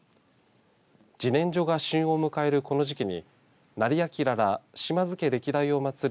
じねんじょが旬を迎えるこの時期に斉彬ら島津家歴代をまつる